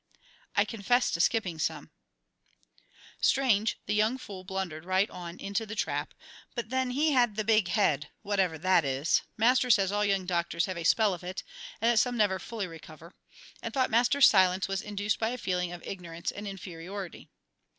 "I confess to skipping some." Strange the young fool blundered right on into the trap, but then he had the "big head" whatever that is; Master says all young doctors have a spell of it, and that some never fully recover and thought Master's silence was induced by a feeling of ignorance and inferiority.